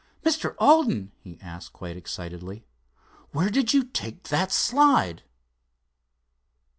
"Mr. Alden," he asked quite excitedly, "where did you take that slide?"